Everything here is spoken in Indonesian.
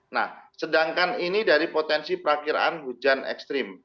nah sedangkan ini dari potensi perakhiran hujan ekstrim